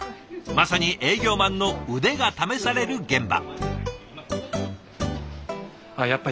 まさに営業マンの腕が試される現場。